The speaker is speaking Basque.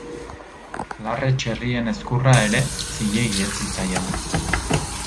Larre-txerrien ezkurra ere zilegi ez zitzaion.